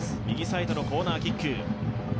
右サイドのコーナーキック。